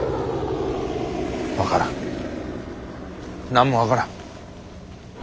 分からん何も分からん。